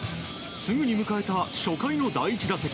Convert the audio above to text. すぐに迎えた初回の第１打席。